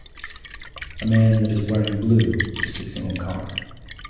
A man that is wearing blue is fixing a car.